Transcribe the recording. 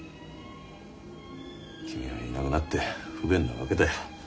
君がいなくなって不便なわけだよ。